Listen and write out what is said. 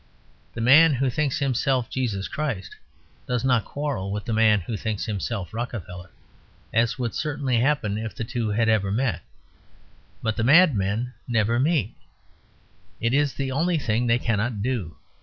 The man who thinks himself Jesus Christ does not quarrel with the man who thinks himself Rockefeller; as would certainly happen if the two had ever met. But madmen never meet. It is the only thing they cannot do.